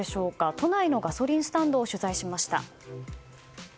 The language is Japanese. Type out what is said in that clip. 都内のガソリンスタンドを取材しました。